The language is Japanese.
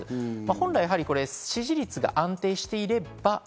本来、支持率が安定していれば。